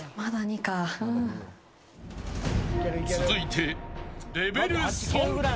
続いてレベル３。